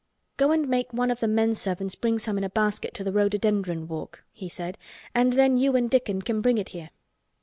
"Go and make one of the men servants bring some in a basket to the rhododendron walk," he said. "And then you and Dickon can bring it here."